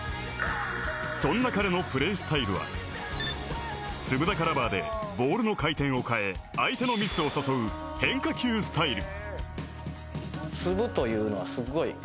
そんな彼のプレースタイルは粒高ラバーでボールの回転を変え相手のミスを誘う変化球スタイル。